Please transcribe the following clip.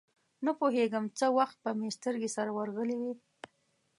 نپوهېږم څه وخت به مې سترګې سره ورغلې وې.